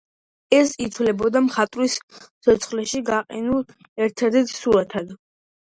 ეს ითვლებოდა მხატვრის სიცოცხლეში გაყიდულ ერთადერთ სურათად.